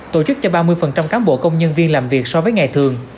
tổ chức cho ba mươi cán bộ công nhân viên làm việc so với ngày thường